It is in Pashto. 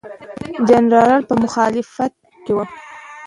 جنرالان په مخالفت کې وو.